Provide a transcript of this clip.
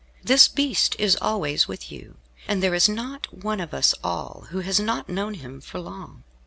This beast is always with you, and there is not one of us all who has not known him for long.